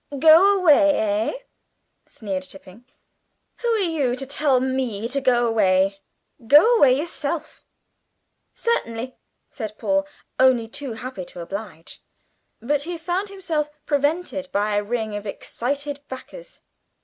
"Go away, eh?" jeered Tipping. "Who are you to tell me to go away? Go away yourself!" "Certainly," said Paul, only too happy to oblige. But he found himself prevented by a ring of excited backers.